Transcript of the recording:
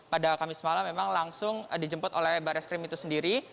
pada kamis malam memang langsung dijemput oleh baris krim itu sendiri